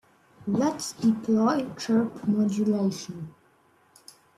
Let's deploy chirp modulation.